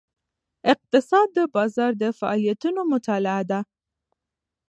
اقتصاد د بازار د فعالیتونو مطالعه ده.